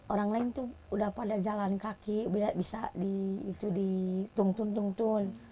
orang lain tuh udah pada jalan kaki bisa ditungtun tungtun